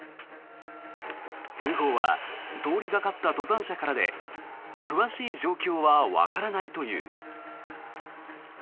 通報は通りがかった登山者からで詳しい状況はわからないという。